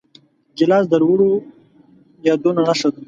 ګیلاس د لوړو یادونو نښه ده.